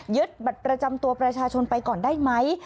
บัตรประจำตัวประชาชนไปก่อนได้ไหม